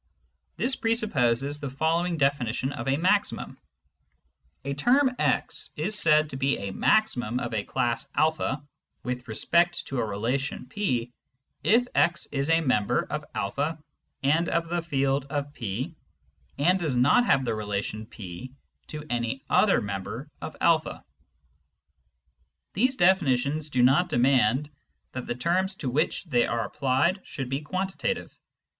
This presupposes the following definition of a " maximum ":— A term x is said to be a " maximum " of a class a with respect to a relation P if x is a member of a and of the field of P and does not have the relation P to any other member of a. These definitions do not demand that the terms to which they are applied should be quantitative.